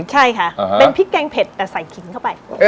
ใช่ค่ะเป็นพริกแกงเผ็ดแต่ใส่ขิงเข้าไป